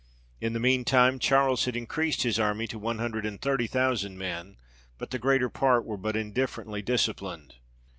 In the mean time, Charles had increased his army to one hundred and thirty thousand men, but the greater part were but indifferently disciplined.